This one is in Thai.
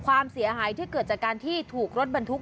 ความเสียหายที่เกิดจากการที่ถูกรถบรรทุก